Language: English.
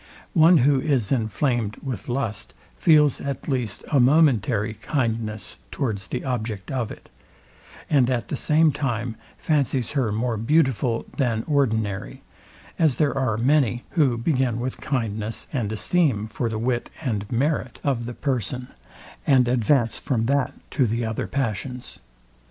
One, who is inflamed with lust, feels at least a momentary kindness towards the object of it, and at the same time fancies her more beautiful than ordinary; as there are many, who begin with kindness and esteem for the wit and merit of the person, and advance from that to the other passions.